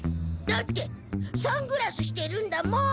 だってサングラスしてるんだもん！